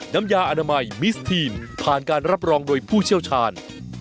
น้ำยาอนามัยมิสทีนผ่านการรับรองโดยผู้เชี่ยวชาญ